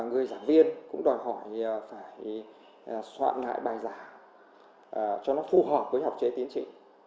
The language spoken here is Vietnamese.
người giảng viên cũng đòi hỏi phải soạn lại bài giảng cho nó phù hợp với học chế tiến trị